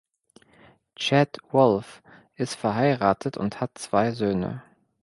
Chad Wolf ist verheiratet und hat zwei Söhne.